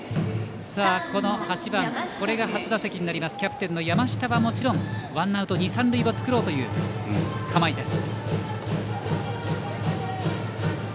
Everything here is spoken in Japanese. ８番、これが初打席になるキャプテンの山下はもちろんワンアウト二塁三塁を作ろうという構えです。